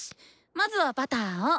まずはバターを。